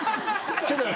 ちょっと。